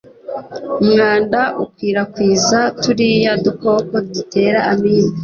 Umwanda ukwirakwiza turiya dukoko dutera Amibe.